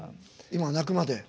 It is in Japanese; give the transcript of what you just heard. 今は泣くまで。